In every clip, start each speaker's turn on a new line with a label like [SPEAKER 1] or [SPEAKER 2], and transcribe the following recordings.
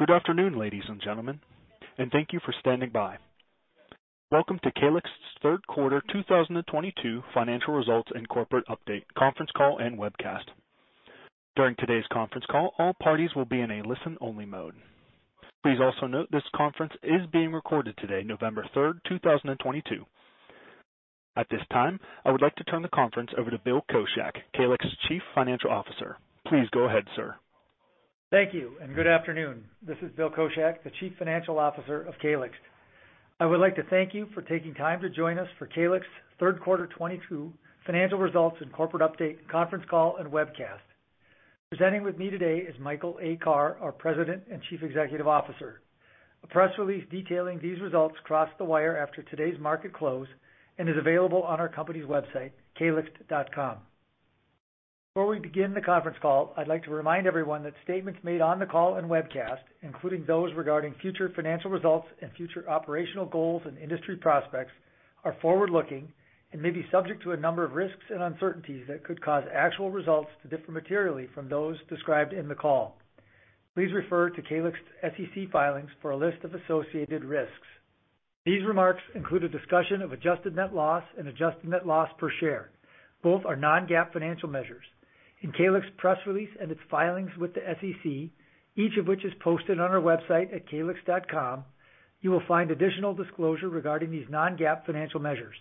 [SPEAKER 1] Good afternoon, ladies and gentlemen, and thank you for standing by. Welcome to Calyxt's third quarter 2022 financial results and corporate update, conference call and webcast. During today's conference call, all parties will be in a listen-only mode. Please also note this conference is being recorded today, November 3, 2022. At this time, I would like to turn the conference over to Bill Koschak, Calyxt's Chief Financial Officer. Please go ahead, sir.
[SPEAKER 2] Thank you and good afternoon. This is Bill Koschak, the Chief Financial Officer of Calyxt. I would like to thank you for taking time to join us for Calyxt's third quarter 2022 financial results and corporate update, conference call and webcast. Presenting with me today is Michael A. Carr, our President and Chief Executive Officer. A press release detailing these results crossed the wire after today's market close and is available on our company's website, calyxt.com. Before we begin the conference call, I'd like to remind everyone that statements made on the call and webcast, including those regarding future financial results and future operational goals and industry prospects, are forward-looking and may be subject to a number of risks and uncertainties that could cause actual results to differ materially from those described in the call. Please refer to Calyxt's SEC filings for a list of associated risks. These remarks include a discussion of adjusted net loss and adjusted net loss per share. Both are non-GAAP financial measures. In Calyxt's press release and its filings with the SEC, each of which is posted on our website at calyxt.com, you will find additional disclosure regarding these non-GAAP financial measures.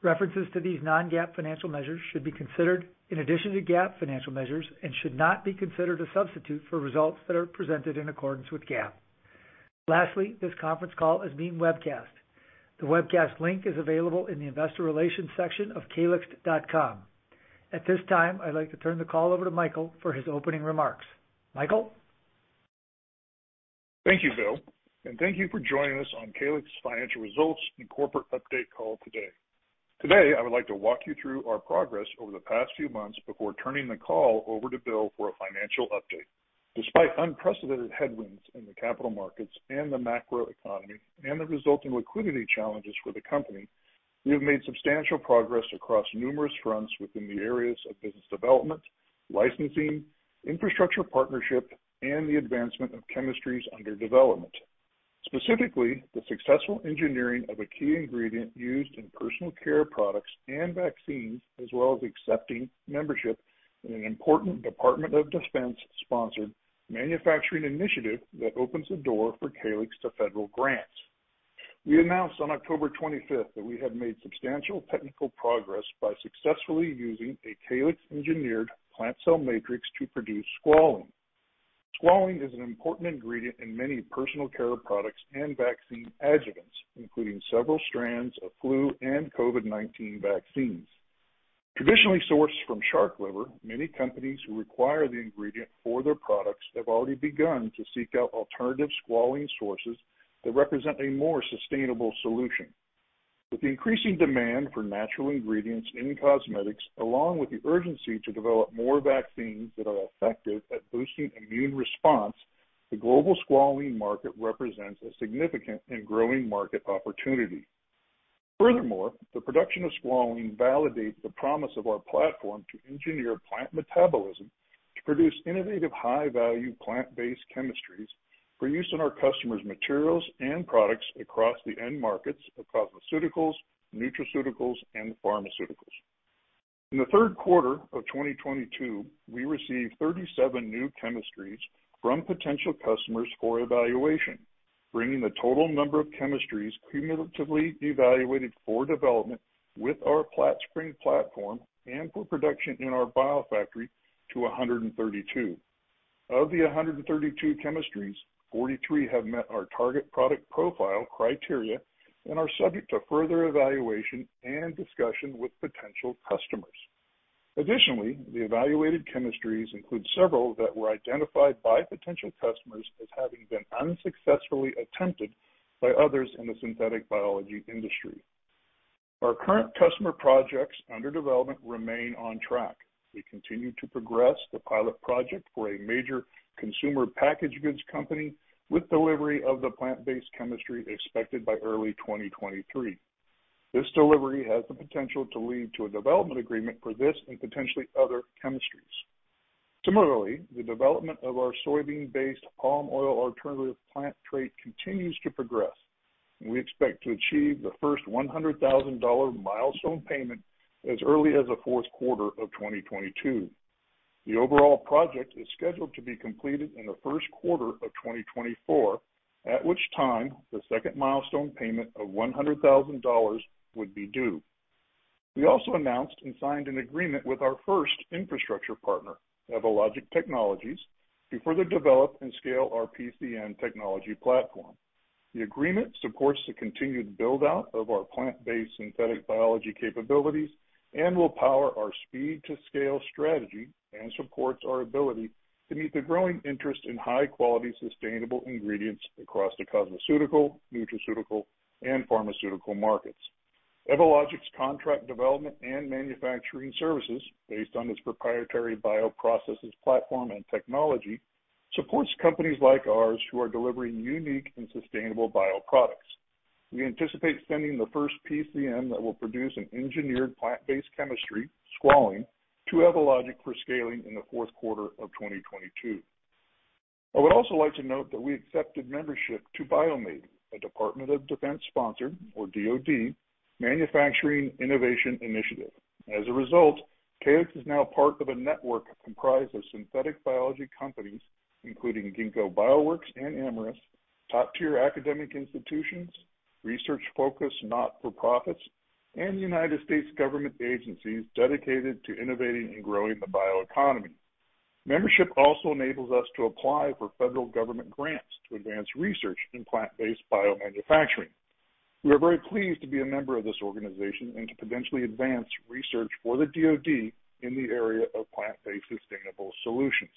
[SPEAKER 2] References to these non-GAAP financial measures should be considered in addition to GAAP financial measures and should not be considered a substitute for results that are presented in accordance with GAAP. Lastly, this conference call is being webcast. The webcast link is available in the investor relations section of calyxt.com. At this time, I'd like to turn the call over to Michael for his opening remarks. Michael?
[SPEAKER 3] Thank you, Bill, and thank you for joining us on Calyxt's financial results and corporate update call today. Today, I would like to walk you through our progress over the past few months before turning the call over to Bill for a financial update. Despite unprecedented headwinds in the capital markets and the macroeconomy and the resulting liquidity challenges for the company, we have made substantial progress across numerous fronts within the areas of Business Development, Licensing, Infrastructure Partnership, and the advancement of chemistries under development. Specifically, the successful engineering of a key ingredient used in personal care products and vaccines, as well as accepting membership in an important Department of Defense-sponsored manufacturing initiative that opens the door for Calyxt to federal grants. We announced on October 25 that we have made substantial technical progress by successfully using a Calyxt-engineered Plant Cell Matrix to produce squalene. Squalene is an important ingredient in many personal care products and vaccine adjuvants, including several strands of flu and COVID-19 vaccines. Traditionally sourced from shark liver, many companies who require the ingredient for their products have already begun to seek out alternative squalene sources that represent a more sustainable solution. With the increasing demand for natural ingredients in cosmetics, along with the urgency to develop more vaccines that are effective at boosting immune response, the global squalene market represents a significant and growing market opportunity. Furthermore, the production of squalene validates the promise of our platform to engineer plant metabolism to produce innovative, high-value plant-based chemistries for use in our customers' materials and products across the end markets of cosmeceuticals, nutraceuticals, and pharmaceuticals. In the third quarter of 2022, we received 37 new chemistries from potential customers for evaluation, bringing the total number of chemistries cumulatively evaluated for development with our PlantSpring platform and for production in our BioFactory to 132. Of the 132 chemistries, 43 have met our target product profile criteria and are subject to further evaluation and discussion with potential customers. Additionally, the evaluated chemistries include several that were identified by potential customers as having been unsuccessfully attempted by others in the synthetic biology industry. Our current customer projects under development remain on track. We continue to progress the pilot project for a major consumer packaged goods company, with delivery of the plant-based chemistry expected by early 2023. This delivery has the potential to lead to a development agreement for this and potentially other chemistries. Similarly, the development of our soybean-based palm oil alternative plant trait continues to progress, and we expect to achieve the first $100,000 milestone payment as early as the fourth quarter of 2022. The overall project is scheduled to be completed in the first quarter of 2024, at which time the second milestone payment of $100,000 would be due. We also announced and signed an agreement with our first infrastructure partner, Evologic Technologies, to further develop and scale our PCM technology platform. The agreement supports the continued build-out of our plant-based synthetic biology capabilities and will power our speed-to-scale strategy and supports our ability to meet the growing interest in high-quality, sustainable ingredients across the cosmeceutical, nutraceutical, and pharmaceutical markets. Evologic's contract development and manufacturing services, based on its proprietary bioprocesses platform and technology, supports companies like ours who are delivering unique and sustainable bioproducts. We anticipate sending the first PCM that will produce an engineered plant-based chemistry, squalane, to Evologic for scaling in the fourth quarter of 2022. I would also like to note that we accepted membership to BioMADE, a Department of Defense-sponsored, or DoD, manufacturing innovation initiative. As a result, Calyxt is now part of a network comprised of synthetic biology companies, including Ginkgo Bioworks and Amyris, top-tier academic institutions, research-focused not-for-profits, and United States government agencies dedicated to innovating and growing the bioeconomy. Membership also enables us to apply for federal government grants to advance research in plant-based biomanufacturing. We are very pleased to be a member of this organization and to potentially advance research for the DoD in the area of plant-based sustainable solutions.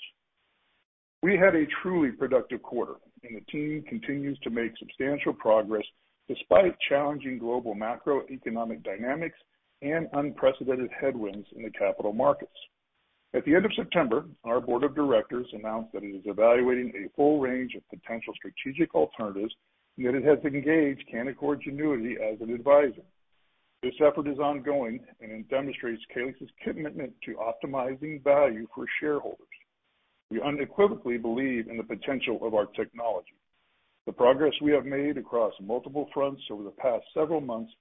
[SPEAKER 3] We had a truly productive quarter, and the team continues to make substantial progress despite challenging global macroeconomic dynamics and unprecedented headwinds in the capital markets. At the end of September, our board of directors announced that it is evaluating a full range of potential strategic alternatives and that it has engaged Canaccord Genuity as an advisor. This effort is ongoing and demonstrates Calyxt's commitment to optimizing value for shareholders. We unequivocally believe in the potential of our technology. The progress we have made across multiple fronts over the past several months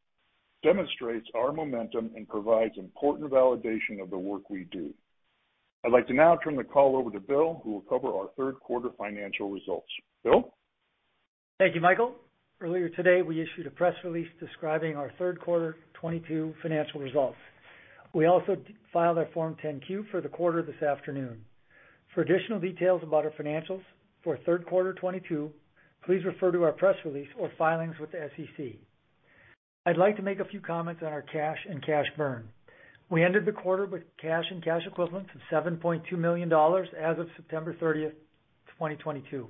[SPEAKER 3] demonstrates our momentum and provides important validation of the work we do. I'd like to now turn the call over to Bill, who will cover our third quarter financial results. Bill?
[SPEAKER 2] Thank you, Michael. Earlier today, we issued a press release describing our third quarter 2022 financial results. We also filed our Form 10-Q for the quarter this afternoon. For additional details about our financials for third quarter 2022, please refer to our press release or filings with the SEC. I'd like to make a few comments on our cash and cash burn. We ended the quarter with cash and cash equivalents of $7.2 million as of September 30, 2022.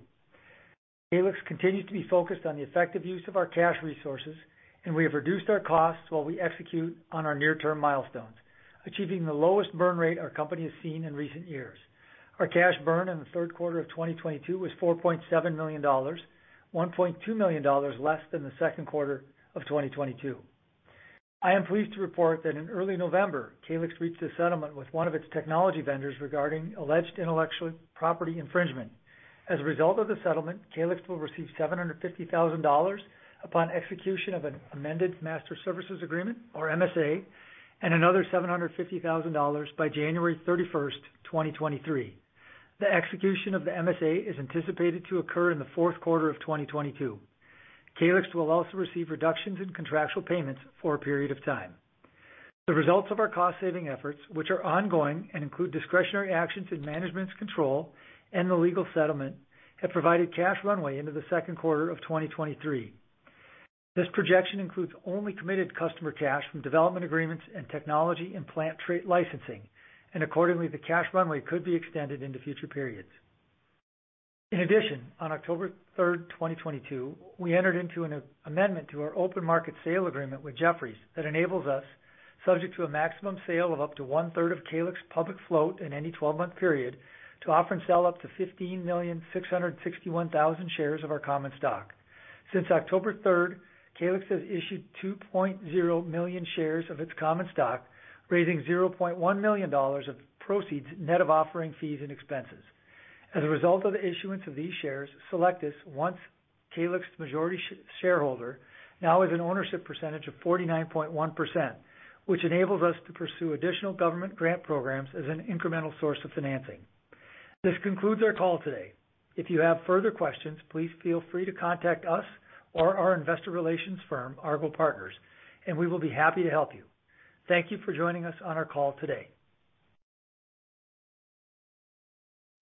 [SPEAKER 2] Calyxt continues to be focused on the effective use of our cash resources, and we have reduced our costs while we execute on our near-term milestones, achieving the lowest burn rate our company has seen in recent years. Our cash burn in the third quarter of 2022 was $4.7 million, $1.2 million less than the second quarter of 2022. I am pleased to report that in early November, Calyxt reached a settlement with one of its technology vendors regarding alleged intellectual property infringement. As a result of the settlement, Calyxt will receive $750,000 upon execution of an amended Master Services Agreement, or MSA, and another $750,000 by January 31, 2023. The execution of the MSA is anticipated to occur in the fourth quarter of 2022. Calyxt will also receive reductions in contractual payments for a period of time. The results of our cost-saving efforts, which are ongoing and include discretionary actions in management's control and the legal settlement, have provided cash runway into the second quarter of 2023. This projection includes only committed customer cash from development agreements and technology and plant trait licensing, and accordingly, the cash runway could be extended into future periods. In addition, on October 3, 2022, we entered into an amendment to our open market sale agreement with Jefferies that enables us, subject to a maximum sale of up to one-third of Calyxt's public float in any 12-month period, to offer and sell up to 15,661,000 shares of our common stock. Since October 3, Calyxt has issued 2.0 million shares of its common stock, raising $0.1 million of proceeds net of offering fees and expenses. As a result of the issuance of these shares, Cellectis, once Calyxt's majority shareholder, now has an ownership percentage of 49.1%, which enables us to pursue additional government grant programs as an incremental source of financing. This concludes our call today. If you have further questions, please feel free to contact us or our investor relations firm, Argot Partners, and we will be happy to help you. Thank you for joining us on our call today.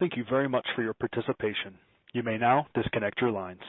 [SPEAKER 1] Thank you very much for your participation. You may now disconnect your lines.